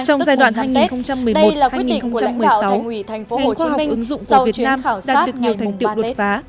trong giai đoạn hai nghìn một mươi một hai nghìn một mươi sáu ngành khoa học ứng dụng của việt nam đạt được nhiều thành tiệu luật phá